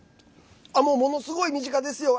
ものすごい身近ですよ。